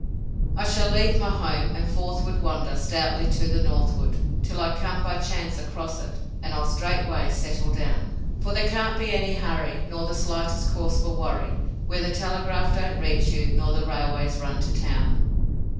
I shall leave my home, and forthward wander stoutly to the northward Till I come by chance across it, and I'll straightway settle down, For there can't be any hurry, nor the slightest cause for worry Where the telegraph don't reach you nor the railways run to town.